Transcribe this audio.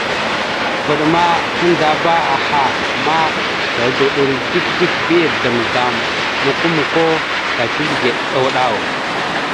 Vvaɗ ma tandzaba aha ma tudoɗoro dik dik bi azzlam azzlam mokko mokko ka tizləge ɗaw ɗaw.